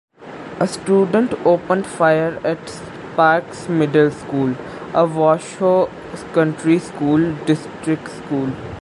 A student opened fire at Sparks Middle School, a Washoe County School District school.